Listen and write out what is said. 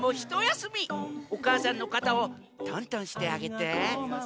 おかあさんのかたをとんとんしてあげて。